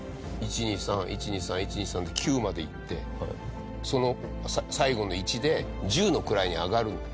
１・２・３１・２・３１・２・３で９までいってその最後の１で１０の位に上がるの。